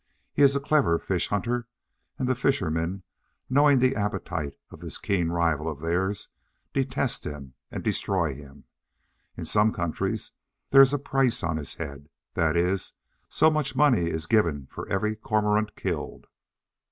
He is a clever fish hunter, and the fishermen, knowing the appetite of this keen rival of theirs, detest him and destroy him. In some countries there is a price on his head that is, so much money is given for every Cormorant killed.